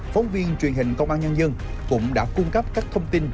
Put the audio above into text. phóng viên truyền hình công an nhân dân cũng đã cung cấp các thông tin